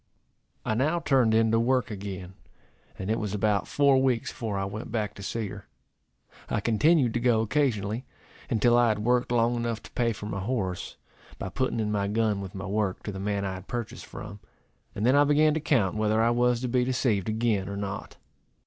I now turned in to work again; and it was about four weeks before I went back to see her. I continued to go occasionally, until I had worked long enough to pay for my horse, by putting in my gun with my work, to the man I had purchased from; and then I began to count whether I was to be deceived again or not.